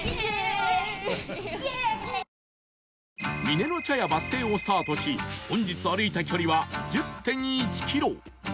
峰の茶屋バス停をスタートし本日歩いた距離は １０．１ キロ